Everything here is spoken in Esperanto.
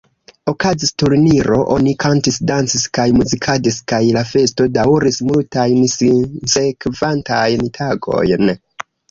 Okazis turniro, oni kantis, dancis kaj muzikadis kaj la festo dauris multajn sinsekvantajn tagojn.